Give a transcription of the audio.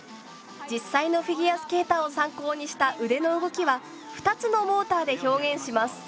実際のフィギュアスケーターを参考にした腕の動きは２つのモーターで表現します。